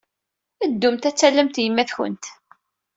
Ddumt ad tallemt yemma-twent.